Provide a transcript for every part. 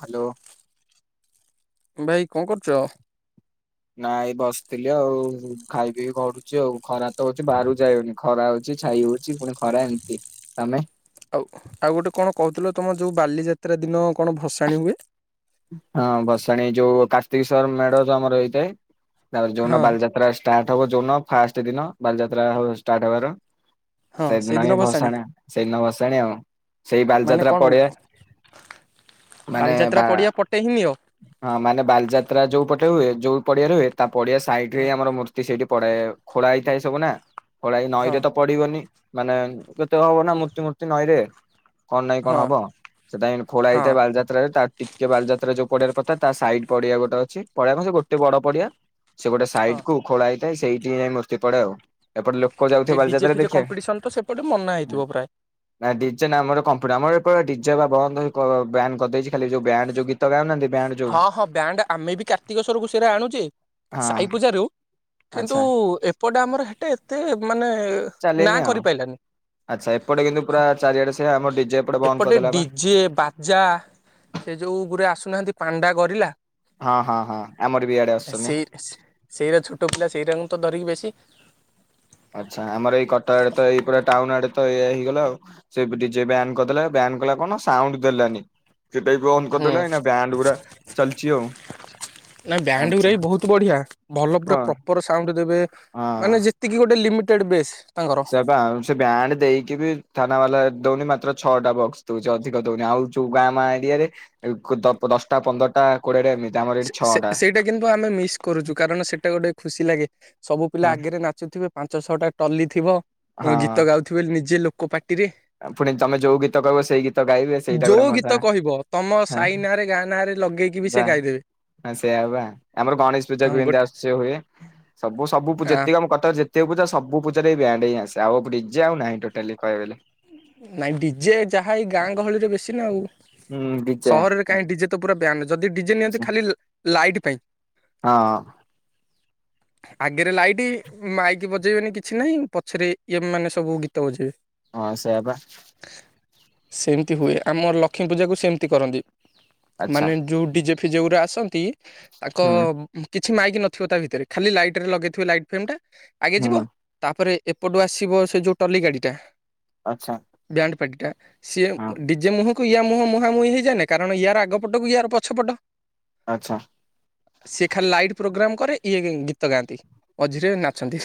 Hello ଭାଇ କଣ କରୁଛ ନାଇଁ ଏ ବସିଥିଲି ଆଉ ଖାଇ ପିଇ ଘଡୁଛି ଆଉ ଖରା ହଉଛି ବାହାରୁ ଯାଇାଉନି ଖରା ହଉଛି ଛାଇ ହଉଛି ପୁଣି ଖରା ଏମିତି ତମେ ଆଉ ଆଉ ଗୋଟେ କଣ କହୁଥିଲ ତମ ଯୋଉ ବାଲିଯାତ୍ରା ଦିନ କଣ ଭସାଣି ହୁଏ ହଁ ଭସାଣୀ ଯୋଉ କାର୍ତ୍ତିକ ସଵର ମେଢ ତ ଆମର ହେଇଥାଏ। ହଁ ଉନ ବାଲଯାତ୍ରା ଷ୍ଟାର୍ଟ ହବ ଜୋନ ଫାଷ୍ଟ ଦିନ ବାଲିଯାତ୍ରା ଷ୍ଟାର୍ଟ ହବାର। ହଁ ସେଦିନ ସେଇଦିନ ହିଁ ଭସାଣି ଭସାଣା ସେଇଦିନ ଭସାଣି ଆଉ ସେଇ ମାନେ ବାଲିଯାତ୍ରା କଣ ପଡିିବା ମାନେ ବାଲିଯାତ୍ରା ବା। ପଡିଆ ପଟେ ହିଁ ନିଅ? ହଁ ମାନେ ବାଲଯାତ୍ରା ଯଉ ପଟେ। ହୁଏ ଯଉ ପଡିଆ ର ହୁଏ ତା ପଡିଆ ସାଇଟ ରେ ଆମର ମୂର୍ତ୍ତି ସେଇଠି। ପରେ ଖୋଳା ହେଇଥାଏ ସବୁ ନା। କଡା ଏଇ ହଁ ନଈରେ ତ ପଡିବନି। ମାନେ କେତେ ହବ ନା ମୂର୍ତ୍ତି ମୂର୍ତ୍ତି ନଈରେ। କଣ ନାାଇଁ ହଁ କଣ ହବ ସେଟାଇ ଖୋଳା ହେଇଥାଏ ବାଲିଯାତ୍ରାରେ। କିଏ ବାଲିଯାତ୍ରା ଯୋଉ ପଡିଆାରେ ପଡିଥାଏ ତା ସାଇଟ୍ ପଡିଆ ଗୋଟେ ଅଛି ପଡିଆ କଣ ସେ ଗୋଟେ ବଡ ପଡିଆ। ସେ ଗୋଟେ ହଁ ସାଇଟ୍ କୁ ଖୋଳା ହେଇ ସେଇଠି ଯାଇଁ ମସ୍ତି ପଡେ ଆଉ ଏପଟେ ଲୋକ ଯାଉଥିବେ ଯେ ଡିଜେ ବାଲିଯାତ୍ରା ଫିଜେ ଦେଖିବା। କମ୍ପିଡିସନ ତ ସେପଟେ ମନା ହେଇଥିବ ପୁରା। ନା ଡିଜେ ନା ଆମର କମ୍ପୁ ଆମର ଏପଟ ଡିଜେ ବା ବନ୍ଦ ହେ ବ୍ୟାନ କରିଦେଇଛି ଖାଲି ଯୋଉ ବ୍ୟାଣ୍ଡ ଯୋଉ ଗୀତ ଗାଉନାହାଁନ୍ତି ହଁ ହଁ ବ୍ୟାଣ୍ଡ ଆମେ ବି କାର୍ତ୍ତିକଶ୍ୱରକୁ ସେ ଗୁରା ଆଣୁଚି ସାଇ ହଁ ପୂଜାରୁ କିନ୍ତୁ ଆଚ୍ଛା। ଏପଟେ ଆମର ହେଟେ ଏତେ ମାନେ ନାଁ ଚାଲିନି ଆଉ କରିପାଇଲାନି ଆଚ୍ଛା ଏପଟେ କିନ୍ତୁ ପୁରା ଚାରିଆଡେ ସେ ଆମ ଡିଜେ ବନ୍ଦ ଏପଟେ କରିଦେଲା ବା। ଡିଜେ, ବାଜା ସେ ଯୋଉ ଗୁରା ଆସୁ ନାହାଁନ୍ତି ପାଣ୍ଡା ଗରିଲା। ହଁ ହଁ ହଁ ଆମର ବି ଇଆଡେ ଆସୁଛନ୍ତି। ସେଇ ସେଇଟା ଛୋଟ ପିଲା ସେଇଟାଙ୍କୁ ତ ଧରିକି ବେଶୀ ଆଚ୍ଛା ଆମର ଏଇ କଟକ ଆଡେ ତ ଏଇ ପୁରା ଟାଉନ ଆଡେ ତ ଏଇ ହେଇଗଲା ଆଉ ସେ ଡିଜେ ବ୍ୟାନ୍ କରିଦେଲା ବ୍ୟାନ୍ କଲା କଣ ନା ସାଉଣ୍ଡ ଦେଲାନି। ସେଟା ବି ବନ୍ଦ ହୁଁ କରିଦେଲା ଏଇନା ନାଇଁ ବ୍ୟାଣ୍ଡ ଗୁରା ଚାଲିଛି ଆଉ ବ୍ୟାଣ୍ଡ ଚାଲିଛି ଗୁରା ବି ବହୁତ ବଢିଆ ଭଲ ପୁରା ହଁ ପ୍ରପର ସାଉଣ୍ଡ ଦେବେ ମାନେ ଯେତିକି ଗୋଟେ ଲିମି ଟେଡ ବେଶ୍ ସ ବା ଆ ସେ ବ୍ୟାଣ୍ଡ ଦେଇକ ବି ଥାନା ବାଲା ଦଉନି ମାତ୍ର ଛଅଟା ବକ୍ସ ଦଉଛି ଅଧିକ ଦଉନି ଆଉ ଯୋଉ ଗାଁ ମା ଏରିଆରେ ଦଶଟା ପନ୍ଦରଟା କୋଡିଏଟା ଏମିତି ଆମର ଏଠି ସେ ସେ ଛଅଟା। ସେଇଟା କିନ୍ତୁ ଆମେ ମିସ୍ କରୁଛୁ କାରଣ ସେଇଟା ଗୋଟେ ଖୁସି ଲାଗେ ସବୁ ପିଲା ଆଗେରେ ନାଚୁଥିବେ। ପାଞ୍ଚ ଛଅଟା ଟଲି ଥିବ। ହଁ ଗୀତ ଗାଉଥିବେ ନିଜେ ଲୋ କୋ ପା ଟିରେ ପୁଣି ତମେ ଯୋଉ ଗୀତ କହିବ ସେଇ ଗୀତ ଗାଇବେ ସେଇଟା ଗୋଟେ ଯୋଉ ମଜା ଗୀତ କହିବ ତମ ସାଇ ନାଁରେ ଗାଁ ନାଁରେ ଲଗେଇକି ବି ସେ ଗାଇଦେବେ। ବା ସେଇଆା ବା ଆମର ଗଣେଶ ହଁ ପୂଜାକୁ ଏମତି ଗୋଟେ ଆସୁଛି ହୁଏ ସବୁ ସବୁ ପୁ ଆ ଯେତିକ ଆମ କଟକରେ ଯେ ତିକ ପୂଜା ସବୁ ପୂଜାରେ ଏଇ ବ୍ୟାଣ୍ଡ ହିଁ ଆସେ ଆଉ ଡିଜେ ଆଉ ନାହିଁ ଟୋଟାଲି କହି ବେଲେ। ନାଇଁ ଡିଜେ ଯାହା ଏଇ ଗାଁ ଗହଳିରେ ବେଶୀ ନା ଆଉ ହୁଁ ଡିଜେ ସହରରେ କାଇଁ ଆଚ୍ଛା ଡିଜେ ତ ପୁରା ବ୍ୟାନ୍ ଯଦି ଡିଜେ ନିଅନ୍ତି ଖାଲି ଲାଇଟ୍ ପାଇଁ ହଁ ଆଗେରେ ଲାଇଟ ମାଇକି ବଜେଇବେନି କିଛି ନାହିଁ ପଛରେ ଏମାନେ ସବୁ ଗୀତ ବଜେଇବେ। ହଁ ସେଇଆ ବା ସେମତି ହୁଏ ଆମ ଲକ୍ଷ୍ମୀ ପୂଜାକୁ ସେମତି କରନ୍ତି ଆଚ୍ଛା ମାନେ ଯୋଉ ଡିଜେ ସେ ଯୋଉଗୁରା ଆସନ୍ତି ତାଙ୍କ ହୁଁ କି କିଛି ମାଇକି ନଥିବ ତା ଭିତରେ ଖାଲି ଲାଇଟରେ ଲଗେଇଥିବ ଲାଇଟ ଫ୍ରେମ୍ ଟା ଆଗେ ଯିବ ହୁଁ ତାପରେ ଏପଟୁ ଆସିବ ସେ ଯୋଉ ଟଲି ଗାଡିଟା ଆଚ୍ଛା ପଟା ସିଏ ହଁ। ଡିଜେ ମୋହ ୟ ମୁହଁ ମୁହାଁମ ମୁହି ହେଇଯାାନ କାର ୟ ଆପଟକୁ ୟାର ପଛପଟ ଆଚ୍ଛା ସେ ଖା ଲାଇଟ ପ୍ରୋଗ୍ରାମ କରିରେ ଇଏ ଗୀତ ଗାଆନ୍ତି ମଝିରେ ନାଚନ୍ତି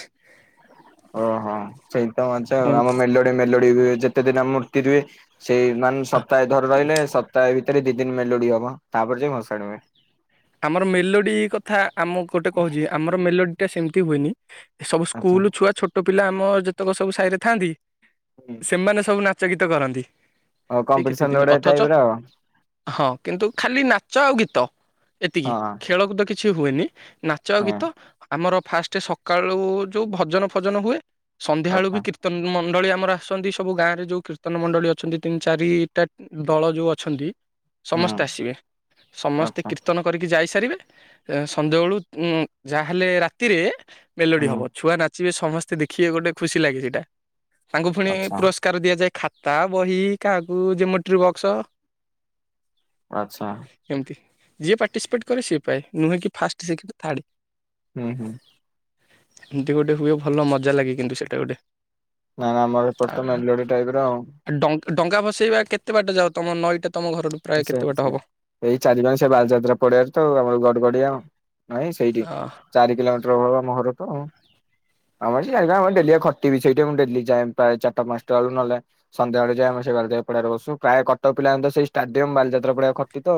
ଓହୋ ସେଇତଛ ଆମ ଏମିତି ମେଲୋଡି ମେଲୋଡି ହୁଏ ଯେତେ ଦିନ ମୂର୍ତ୍ତି ର ହୁଏ ସେଇ ମାନେ ସପ୍ତାହେ ଧର ରହିଲେ ସପ୍ତାେିତରେ ଦି ଦିନ ମେ ଲୋଡି ହବ ତାପରେ ଯ ଭସାଡିବେ ଆମର ମେଲୋଡି କଥା ଆମ ଗୋଟେ କହୁଛି ଆମର ମେଲୋଡି ଏଟ ସେମିତି ହୁଏନି ଏ ସବୁ ଆଚ୍ଛା ସ୍କୁଲ ଛୁଆ ଛୋଟ ଛଟ ପିଲା ଆମ ଯେତେକ ସବୁ ସାଇଡ଼ରେ ଥାନ୍ତି ହୁଁ ସେମାନେ ସବୁ ନାଚ ଚକିତ କରନ୍ତି ଆଉ ସେଇ କେତେ କମ୍ପିଟିସନ ଦିନ ଗୋଟେ ଅଥଚ ଟାଇପ ର ଆଉ ହଁ କିନ୍ତୁ ଖାଲି ନାଚ ଆଉ ଗୀତ କ ତ ଏତିକି ହଁ ଖେଳକୁ ଦେଖ କିଛି ହୁଏନି ନାଚ ହଁ ଗୀତ ଆମର ଫାଷ୍ଟ ସକାଳୁ ଯୋଉ ଭଜନ ଫଜନ ହୁଏ ସନ୍ଧ୍ୟାବେଳୁ ବି ଆଚ୍ଛା କୀର୍ତନ ମଣ୍ଡଳୀ ଆମର ଆସନ୍ତି ସବୁ ଗାଁ ରେ ଯୋଉ କୀର୍ତ୍ତନ ମଣ୍ଡଳୀ ଅଛନ୍ତି ତିନି ଚାରିଟା ଦଳ ଯୋଉ ଅଛନ୍ତି ହୁଁ ସମସ୍ତେ ଆସିବେ ସମସ୍ତେ ଆଚ୍ଛା କୀର୍ତ୍ତି ଯାଇସାରିବେ ସନ୍ଧ୍ୟାବେଳୁ ଯାହାହେଲେ ରାତିରେ ମେଲୋଡି ହୁଁ ହବ ଛୁଆ ନାଚ ଯିବେ ସମସ୍ତେ ଦେଖିବେ ଗୋଟେ ଖୁସି ଲାଗେ ସେଇଟା ତାଙ୍କୁ ପୁଣି ଆଚ୍ଛା ପୁରସ୍କାର ଦିଆଯାଏ ଖ ତା ବହି କାହାକୁ ଜମେଟ୍ରି ବକ୍ସ ଆଚ୍ଛା ଏମିତି ଯିଏ ପାର୍ଟିସିପେଟ୍ କରେ ସିଏ ପାଏ ନୁହେଁ କି ଫାଷ୍ଟ ସେକେଣ୍ଡ ଥାର୍ଡ ହୁଁ ହୁଁ ଏମିତି ଗୋଟେ ହୁଏ ଭଲ ମଜା ଲାଗେ କିନ୍ତୁ ସେଇଟା ଗୋଟେ ନା ନା ଆମର ଏପଟ ତମ ମେଲୋଡି ଟାଇପ ର ଆଉ ଡଙ୍ଗା ଫସେଇବା କେତେ ବାଟା ଯାଉ ତମ ନଈଟା ତମ ଘରଠୁ ପ୍ରାୟ ଆ ସେ କେତେ ବାଟ ହବ ସେଇ ଚାରି ମା ସେ ବାଲିଯାତ୍ରା ପଡିିବାରେ ତ ଆମର ଗଡଗଡିଆ ନଁ ସେଇଠି ଚାରି କିଲୋମିଟର ମହର ତ ଆମ ସେ ଡଆ ଘଟିବ ସେଇା ଦ ଯାଏ ପ୍ରାୟ ଚାରିଟା ପାଞ୍ଚଟା ବେ ନେଲେ ସଧ୍ୟାବେଳେ ଯଏ ଆମ ସୋର ପଡାରେ ବସୁ ପ୍ରାୟ କଟକ ପିଲା ତ ସେଇ ଷ୍ଟାଡିୟମ ବାଲିଯାତ୍ରା ପଡଆ ଖଟି ତ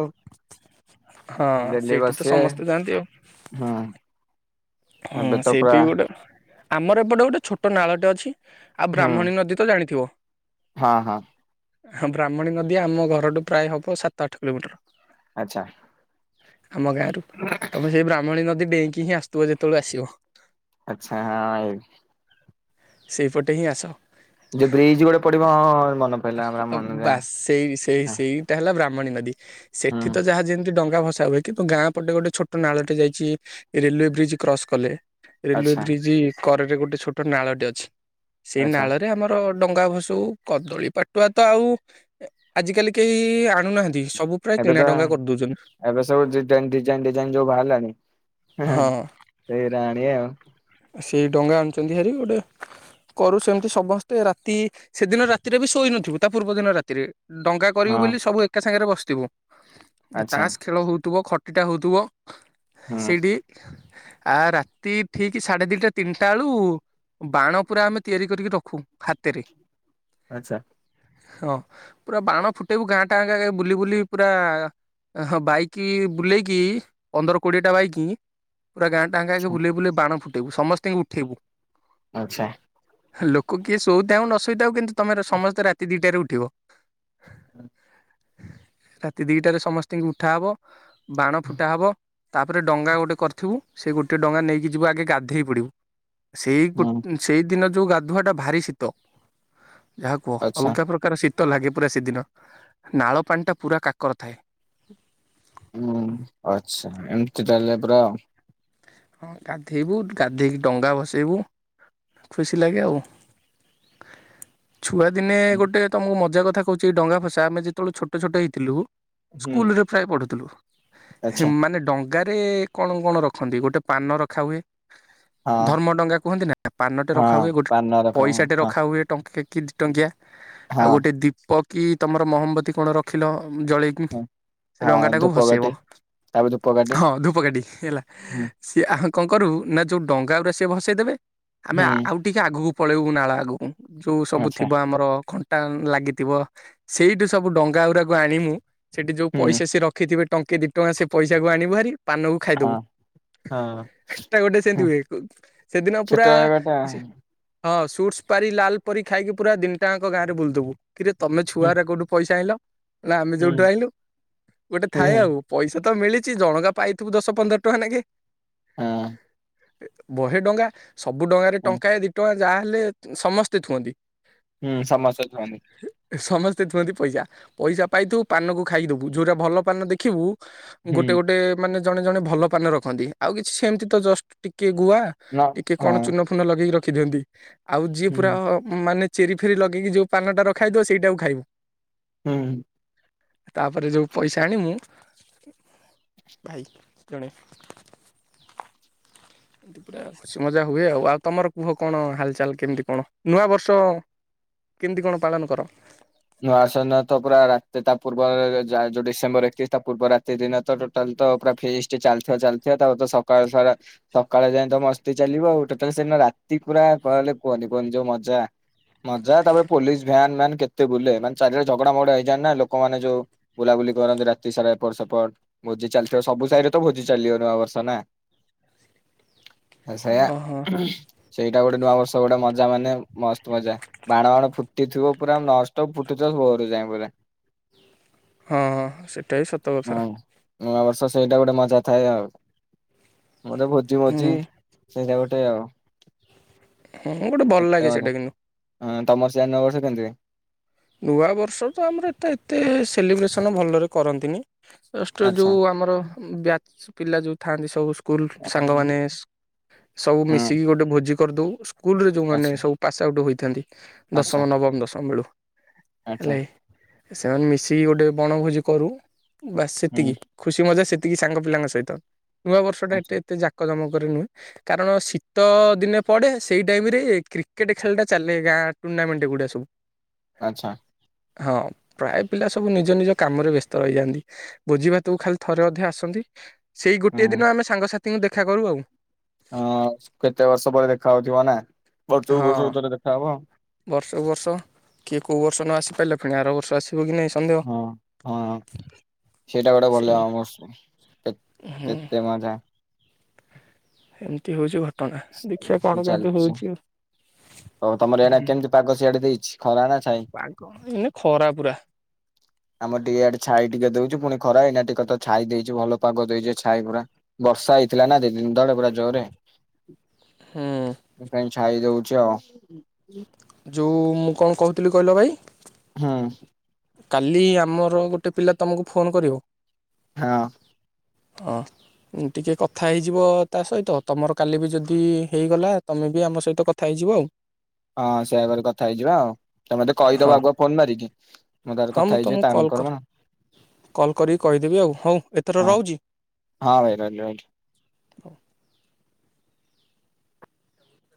ହଁ ଡେଲି ସେଇଠି ତ ବସିବେ ସମସ୍ତେ ଯାଆନ୍ତି ଆଉ ହୁଁ ଏବେ ହଁ ତ ସେଇଠି ପୁରା ବି ଗୋଟେ ଆମର ଏପଟେ ଗୋଟେ ଛୋଟ ନାଳଟେ ଅଛି। ଆଉ ହୁଁ ବ୍ରାହ୍ମଣୀ ନଦୀ ତ ଜାଣିଥିବ ହଁ ହଁ ବ୍ରାହ୍ମଣୀ ନଦୀ ଆମ ଘରଠୁ ପ୍ରାୟ ହବ ସାତ ଆଠ କିଲୋମିଟର ଆଚ୍ଛା ଆମ ଗାଁ ରରୁ ତମ ସେଇ ବ୍ରାହ୍ମଣୀ ନଦୀ ବ୍ୟାଙ୍କି ହି ଆ ତୁ ଯେତେବେଳେ ଆସିବ ଆଚଛା ହଁ ସେଇପଟେ ହିଁ ଆସ ଯୋଉ ବ୍ରିଜ ଗୋଟେ ପଡିବ ହଁ ମନ ପିଲା ଆଉ ମନା ମଣି ନି ସେଠି ତ ଯାହା ଯେମିତି ଡଙ୍ଗା ଭସା ହୁଏ କିନ୍ତୁ ଗାଁ ପଟେ ଗୋଟେ ଛୋଟ ନାଳଟେ ଯାଇଛି ରେଲୱେ ବ୍ରିଜ୍ କ୍ରସ କଲେ ରେଲୱେ ଆଚ୍ଛା ବ୍ରିଜ କରରେ ଗୋଟେ ଛୋଟ ନାଳଟି ଅଛି। ସେଇ ଆଚ୍ଛା ନାଳରେ ଆମର ଡଙ୍ଗା ଭସଉ କଦଳୀ ପାଟୁଆ ତ ଆଉ ଆଜିକାଲି କେହି ଆଣୁନାହାନ୍ତି। ସବୁ ପ୍ରାୟ ଏବେ କିଣା ତ ଡଙ୍ଗା କରିଦଉଛନ୍ତି। ଏବେ ସବୁ ଡିଜାଇନ ଡିଜାଇନ ଯୋଉ ବାହାରିଲାଣି ହଁ ସେଇରାଆଣିଆ ଆଉ ସେଇ ଡଙ୍ଗା ଆଣୁଛନ୍ତି ହାରି ଗୋଟେ କରୁଛନ୍ତି ସମସ୍ତେ ରାତି ସେଦିନ ରାତିରେ ବି ଶୋଇନଥିବୁ ତା ପୂର୍ବ ଦିନ ରାତିରେ ଡଙ୍ଗା କରିବୁ ହଁ ବୋଲି ସବୁ ଏକା ସାଙ୍ଗରେ ବସି ଯିବ ଆଚ୍ଛା ତାସ ଖେଳ ହଉଥିବ ଖଟ ଏ ଟା ହଉଥିବ। ହୁଁ ସେଇଡ଼ି। ଆ ରାତି ଠିକ ସାଢେ ଦିଟା ତିନିଟା ବେଳୁ ବାଣ ପୁରା ଆମେ ତିଆରି କରିକି ରଖୁ ହାତରେ। ଆଚ୍ଛା। ହଁ ପୁରା ବାଣ ଫୁଟେଇବୁ ଗାଁ ଟା ଗଁ ଗାଁ ବୁଲି ବୁଲି ପୁରା ହଁ ବାଇକ ବୁଲେଇକି ପନ୍ଦର କୋଡିଏ ଟା ବାଇକ। ପୁରା ଗାଁ ଟାଁଙ୍କ କ ବୁଲେଇ ବୁଲେଇ ବାଣ। ଫୁଟେଇବୁ ସମସ୍ତିଙ୍କୁ ଉଠେଇବୁ। ଆଛା। ଲୋକ କିଏ ଶୋଉଥାଉ କି ନଶୋଉଥାଉ କିନ୍ତୁ ତମର ସମସ୍ତେ ରାତି ଦିଟାରେ ଉ ଥିବ। [inaudible] ରାତି ଦିଟାରେ ସମସ୍ତି ଙ୍କୀ ଉଠା ହବ। ବାଣ ଫୁଟା ହବ। ତାପରେ ଡଙ୍ଗା ଗୋଟେ କରିଥିବୁ ସେଇ ଗୋଟିଏ ଡଙ୍ଗା ନେଇକି ଯିବୁ ଆଗେ ଗା ଧେଇ ପଡ଼ିବୁ। ସେଇ ଗୋଟ ହୁଁ ସେଇ ଦିନ ଯୋଉ ଗାଧୁଆ ଟା ଭାରି ଶୀତ ଯାହା କୁହ ଆଚ୍ଛା ଅଲଗା ପ୍ରକାର ସ ତ ଲାଗେ ପୁରା ସେଦିନ ନାଳ ପାଣି ଟା ପୁରା କାକର ଥାଏ। ହୁଁ ଆଛା ଏମିତି ତାହଲେ ପୁରା ଆଉ ହଁ ଗାଧେଇବୁ ଗାଧେଇକି ଡଙ୍ଗା ଭସେଇବୁ ଖୁସି ଲାଗେ ଆଉ ଛୁଆ ଦିନେ ଗୋଟେ ତମକୁ ମଜା କ କଥା କହୁଛି ଡଙ୍ଗା ଭଷା ଯେତେବେଳେ ଛୋଟ ଛୋଟ ହେଇଥିଲୁ ହୁଁ ସ୍କୁଲ ରେ ପ୍ରାୟ ପଢୁଥିଲୁ ଆଚ୍ଛା ସେମାନେ ଡ଼ ଜାଗାରେ କଣ କଣ ରଖନ୍ତି ଗୋଟେ ପାନ ରଖାହୁଏ ହଁ ଧର୍ମ ଡଙ୍ଗା କୁହନ୍ତି ନା ପାନଟେ ହଁ ରଖା ହୁଏ ଗୋଟେ ପାନ ରକମ ପଇସା ଟେ ହଁ ରଖା ହୁଏ ଟଙ୍କା କେ କି ଟଙ୍କିଆ ଆଉ ହଁ ଗୋଟେ ଦୀପକ କି ତୁମର ମହମ୍ବତୀ କଣ ରଖିଲ ଜଳେଇକି ହଁ ସେ ରଙ୍ଗା ହଁ ଟାକୁ ଭସେଇବ ଧୂପକାଠି ତାପରେ ଧୂପକାଠି ହଁ ଧୂପକାଠ ହେଲା ହୁଁ କିଏ ଆ କଣ କରିବୁ ନା ଯେଉଁ ଡଙ୍ଗା ଗୁରା ସିଏ ଭସେଇ ଦେବେ ଆମେ ହୁଁ ଆଉ ଟିକେ ଆଗକୁ ପଳେଇବୁ ନାଳ ଆଗକୁ ଯୋଉ ସବୁ ଆଚ୍ଛା ଥିବ ଆମର ଖ ଟା ଲାଗିଥିବ ସେଇଠି ସବୁ ଡଙ୍ଗା ଗୁରାକ ଆଣିକି ସେଠି ଯୋଉ ହୁଁ ପଇସା ସିଏ ରଖିଥିବେ ଟଙ୍କେ ଦି ଟଙ୍କା ସେ ପଇସାକୁ ଆଣିବୁ ଭାରି ପାନକୁ ଖାଇଦବୁ। ହଁ ହଁ ଏଟା ଗୋଟେ ସେମତି ହୁଁ ହୁଏ ସେଦିନ ଛୋଟ ପୁରା ଏବାଟା ହଁ ସୁଟସ୍ ପାରି ଲାଲ ପରି ଖାଇକି ପୁରା ଦିନିଟା ଆଙ୍କ ଗାଁରେ ବୁଲୁଥବୁ କିରେ ତମେ ଛୁଆ ଗୁରା କୋଉଠୁ ପଇସା ଆଇଁଲ? ନା ଆମେ ଯୋଉଠୁ ଆଇଁଲୁ ଗୋଟେ ଥାଏ ଆଉ ପଇସା ସେ ତ ମିଳିଛି ଜଣଙ୍କା ପାଇଥିବୁ ଦଶ ପନ୍ଦର ଟଙ୍କା ନେଖାଏଁ [inaudible] ବହେ ଡଙ୍ଗା ସବୁ ଡଙ୍ଗାରେ ଟଙ୍କାଏ ଦି ଟଙ୍କା ଯାହା ହେଲେ ସମସ୍ତେ ଥୁଅନ୍ତି। ସମସ୍ତେ ସମସ୍ତେ ଥୁଅନ୍ତି ପଇସା ପଇସା ପାଇଥିବୁ ପାନକୁ ଖାଇଦବୁ ଯୋଉଁରା ଭଲ ପାନ ଦେଖିବୁ ହୁଁ ଗୋଟେ ଗୋଟେ ମାନେ ଜଣେ ଜଣେ ଭଲ ପାନ ର ଖନ୍ତି ଆଉ କିଛି ସେମତି ତ ଜଷ୍ଟ ଟି ଟିକେ ଗୁଆ ନ ଟିକେ କଣ ହଁ ଚୁନ ଫୁନ ଲଗେଇ ର ରଖି ଦିଅନ୍ତି ଆଉ ଯିଏ ପୁରା ହୁଁ ମାନେ ଚେରି ଫିରି ଲଗେଇକି ଯେଉ ପାନଟା ରଖାହେଇଥିବ ସେଇଟାକୁ ଖାଇବୁ। ହୁଁ ତାପରେ ଯୋଉ ପଇସା ଆଣିବୁ ଭାଇ ପ୍ର [inaudible] ଏନ୍ତି ପୁରା ଖୁସି ମଜା ହୁଏ ଆଉ ଆଉ ତମର କୁହ କଣ ହାଲଚାଲ କେମିତି କଣ ନୂଆ ବର୍ଷ କେମିତି କଣ ପାଳନ କର। ନୂଆସ ତ ପୁରା ତା ପୂର୍ବ ଯୋଉ ଡିସେମ୍ଵର ଏକତିରିଶ ତା ପୂର୍ବ ରାତି ଦିନ ତ ତୋଟାଲ ତ ପୁରା ଫିଷ୍ଟ ଚାଲି ଚାଲିଥାଏ ତା ପ ତ ସକାଳ ସାରା ସକାଳେ ଯାଇ ତ ମସ୍ତି ଚାଲିବ ଆଉ ଟୋଟାଲ ସେଦିନ ରାତି ପୁରା କହିଲେ କୁହନି କୁହନି ଯୋଉ ମଜା ମଜା ତା ପରେ ପୋଲିସ ଭ୍ୟାନ ମ୍ୟାନ କେ ତେ ବୁଲେ ମାନେ ଚାରିଆଡେ ଝଗଡା ମଗଡା ହେଇଯାଏ ନା ଲୋକମାନେ ଯୋଉ ବୁଲାବୁଲି କରନ୍ତି ରାତି ସାରା ଏପଟ ସେପଟ ଭୋଜି ଚାଲିଥିବ ସବୁ ସାାଇରେ ତ ଭୋଜି ଚାଲିିବ ନୂଆବର୍ଷ ନା। ସେୟା ଓହୋ ସେଇଟା ଗୋଟେ ନୂଆ ବର୍ଷ ଗୋଟେ ମଜା ମାନେ ମସ୍ତ ମଜା ବାଣ ଫାଣ ଫୁଟିଥିବ ପୁରା ନ ତ ଫୁଟିଥିବ ଭୋରୁ [inaudible] ହଁ ହଁ ସେଇଟା ବିି ସତ କଥା। ହଁ। ନୂଆବର୍ଷ ସେଇଟା ଗୋଟେ ମଜା ଥାଏ ଆଉ। ମୋତେ ଭୋଜି ଭୋଜି ହୁଁ ସେଇଟା ଗୋଟେ ଆଉ। ହଁ ଗୋଟେ ଭଲ କେତେ ଲାଗେ ମଜା ସେଇଟା କିନ୍ତୁ ହଁ ତମ ସେ ନୂଆ ବର୍ଷ କେମିତି ହୁଏ? ନୂଆବର୍ଷ ତ ଆମର ଏଟା ଏତେ ସେଲିବ୍ରେସନ ଭଲରେ କରନ୍ତିନି। ଷ୍ଟ ଆଚ୍ଛା। ଯୋଉ ଆମର ବ୍ୟାଚ। ପିଲା ଯୋଉ ଥାନ୍ତି ସବୁ ସ୍କୁଲ ସାଙ୍ଗମାନେ ସବୁ ହୁଁ ମିଶିକି ଗୋଟେ ଭୋଜି କରିଦୋଉ। ସ୍କୁଲ ରେ ଯୋଉମାନେେ ଆଚ୍ଛା ସବୁ ପାସ ଆଉଟ [inaudible] ଆଚ୍ଛା ଦଶମ ନବମ ଦଶମ ବେଳୁ। ଆଚ୍ଛା ହେଲେ। ସେମାନେ ମିଶିକି ଗୋଟେ ବଣଭୋଜି କରୁ। ବାସ୍ ହୁଁ ସେତିକି ଖୁସି ମଜା ସେତିକି ତିକି ସାଙ୍ଗ ପିଲାଙ୍କ ସହିତ। ନୂଆବର୍ଷ ଟା ଆଚ୍ଛା ଏତେ ଏତେ ଜାକଜମ ନୁହେ କାରଣ ଶୀତ ଦିନେ ପଡେ ସେଇ ଟାଇମ ରେ କ୍ରିକେଟ ଖେଳ ଟା ଚାଲେ ଗାଁ ଟୁର୍ଣ୍ଣାମେଣ୍ଟ ଗୁଡା ସବୁ। ଆଚ୍ଛା। ହଁ ପ୍ରାୟ ପିଲା ସବୁ ନିଜ ନିଜ କାମରେ ବ୍ୟସ୍ତ ରହିଯାଆନ୍ତି ବୋଜି ଭାତକୁ ଖାଲି ଥରେ ଅଧେ ଆସନ୍ତି। ସେଇ ଗୋଟେ ଦିନ ଆମେ ସାଙ୍ଗସାଥି। ଙ୍କୁ ଦେଖା କରୁ ଆଉ ଅ କେତେ ବର୍ଷ ପରେ ଦେଖାାହୋଉଥିବା ନା? ବର୍ଷ ହଁ ବର୍ଷକୁ ଥରେ ଦେଖାହବ। ବର୍ଷକୁ ବର୍ଷ କିଏ କୋଉ ବର୍ଷ ନ ଆସି ପାରିଲେ ପୁଣି ଆର ବର୍ଷ ଆସ ହଁ ହଁ ସେଟା ଗୋଟେ ସେମ ଭଲ କେ ହୁଁ କେତେ ମଜା ଏମିତି ହେଉଚି ଟଣା ଦେଖିବା କଣ କେମତି ହଉଛି ଆଉ। ଆଉ ତମର ଏଣ କେମିତି ପାଗ ସିଆଡେ ଦେଇଛି? ଖରା ନା ଛାଇ ପାଗ ଏଇନେ ଖରା ପୁରା। ଆମର ଟିକେ ଇଆଡେ ଛାଇ ଟିକେ ଦଉଛୁ ପୁଣି ଖରା ହେଇନା ଟିକେ ତ ଛାଇ ଦେଇଛିେ ଭଲ ପାଗ ଦେଇଛି ଛାଇ ପୁରା ବର୍ଷା ହେଇଥିଲା ନା ଦିନ ଦିନ ତଳେ। ପୁରା ଜୋରେ। ହୁଁ ଛାଇ ଦଉଛି ଆଉ ହଁ ହ ଯେଉଁ ମୁଁ କଣ କହୁଥିଲି କହିଲ ଭାଇ ହୁଁ କାଲି ଆମର ଗୋଟେ ପିଲା ତମକୁ ଫୋନ କରିବ। ହଁ। ହଁ ଟିକେ କଥା ହେଇଯିବ ତା ସହିତ ତମର କାଲି ବି ଯଦି ହେଇଗଲା ତମେ ବି ଆମ ସହିତ କଥା ହେଇଯିବ ଆଉ। ହଁ ସେଇ ଆାବରେ କଥା ହେଇଯିବା ଆଉ ତମତେ ହଁ କହିଦବ ଆଗୁଆ ଫୋନ ମାରିକି। ତାପରେ ହଁ କଥା ମୁଁ ହେଇଯିବି ତମକୁ କଲ୍ ତାଙ୍କର କରି କଣ ହଁ କଲ୍ କରିକି କହିଦେବି ଆଉ ହଉ ଏଥର ରହୁଛି ହଁ ଭାଇ ରହିଲି ରହିଲି। ହଉ।